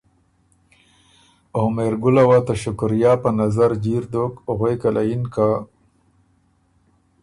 او مهرګله وه ته شکریا په نظر جیر دوک غوېکه له یِن که